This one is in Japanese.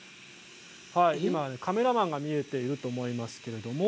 カメラマンが見えていると思います。